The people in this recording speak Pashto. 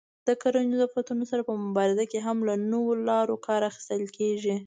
د کرنیزو آفتونو سره په مبارزه کې هم له نویو لارو کار اخیستل کېږي.